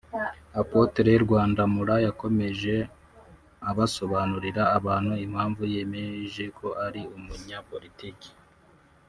Apotre Rwandamura yakomeje abasobanurira abantu impamvu yemeje ko ari umunyapolitiki